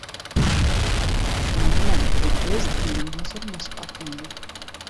شۇنىڭ بىلەن ئۇ ئۆز تېنىدىن ھۇزۇرلىنىشقا ئاتلىنىدۇ.